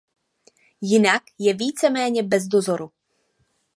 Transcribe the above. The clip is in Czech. Jinak je víceméně bez dozoru.